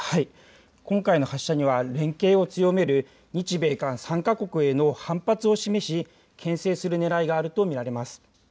今回の発射には連携を強める日米韓３か国への反発を示しけん制するねらいがあると見られます。